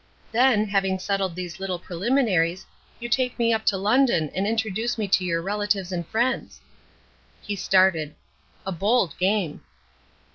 "Then, having settled these little preliminaries, you take me up to London and introduce me to your relatives and friends." He started. "A bold game."